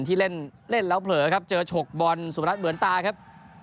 เนี่ยเผลอนะครับเจอชกบอลสุภรรษเหมือนตาครับ